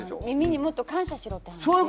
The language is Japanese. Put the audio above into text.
耳にもっと感謝しろって話？